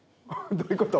どういうこと？